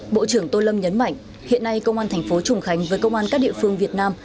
bộ trưởng tô lâm nhấn mạnh hiện nay công an thành phố trùng khánh với công an các địa phương việt nam